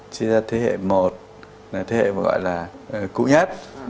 chính là thế hệ một là thế hệ gọi là cũ nhất